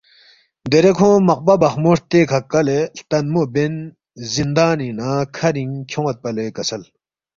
دیرے کھونگ مقپہ بخمو ہرتےکھہ کلے ہلتنمو بین زِندانِنگ نہ کھرِنگ کھیون٘یدپا لے کسل